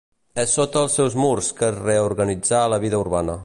És sota els seus murs que es reorganitzà la vida urbana.